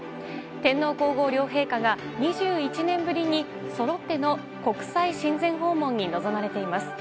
天皇・皇后両陛下が２１年ぶりにそろっての国際親善訪問に臨まれています。